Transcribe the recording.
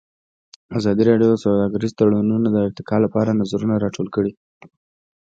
ازادي راډیو د سوداګریز تړونونه د ارتقا لپاره نظرونه راټول کړي.